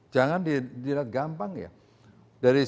jangan dilihat gampang ya